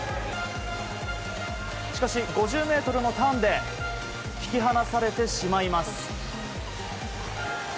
しかし、５０ｍのターンで引き離されてしまいます。